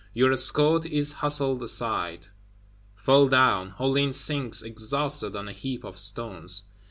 Your escort is hustled aside, fell down; Hulin sinks exhausted on a heap of stones.